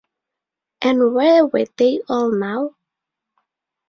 And where were they all now?